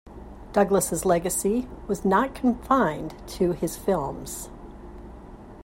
Douglas's legacy was not confined to his films.